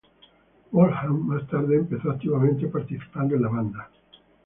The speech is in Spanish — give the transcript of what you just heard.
Wolfgang más tarde empezó activamente participando en la banda.